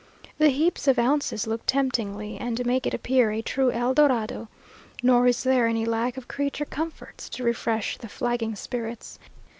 The heaps of ounces look temptingly, and make it appear a true El Dorado. Nor is there any lack of creature comforts to refresh the flagging spirits.